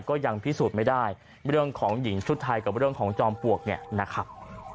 ก็ยังพิสูจน์ไม่ได้เรื่องของหญิงชุดไทยกับเรื่องของจอมปลวกเนี่ยนะครับ